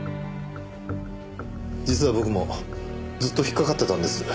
実は僕もずっと引っかかっていたんです。